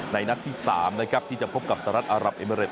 ในนักที่๓ที่จะพบกับสหรัฐอัรับอเมริกส์